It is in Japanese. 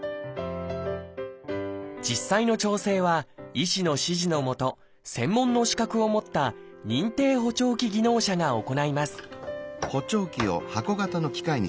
実際の調整は医師の指示のもと専門の資格を持った「認定補聴器技能者」が行います